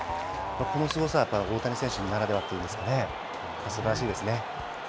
このすごさはやっぱり大谷選手ならではというんですかね、すばらしいですね。